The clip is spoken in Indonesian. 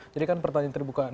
jadi kan pertanyaan terbuka